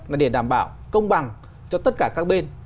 là để đảm bảo công bằng cho tất cả các bên